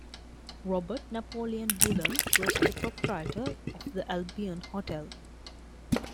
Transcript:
Robert Napoleon Bullen was the proprietor of the Albion Hotel.